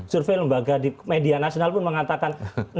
survei lembaga di media nasional pun mengatakan